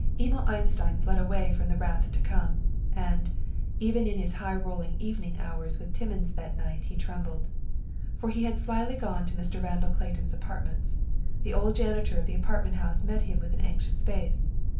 Emil Einstein fled away from the wrath to come, and, even in his high rolling evening hours with Timmins that night he trembled. For he had slyly gone to Mr. Randall Clayton's apartments. The old janitor of the apartment house met him with an anxious face.